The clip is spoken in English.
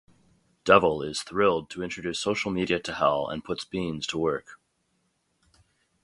Devil is thrilled to introduce social media to Hell and puts Beans to work.